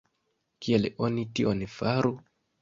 Kiel oni tion faru?